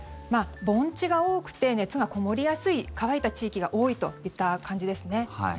盆地が多くて、熱がこもりやすい乾いた地域が多いといった感じですね。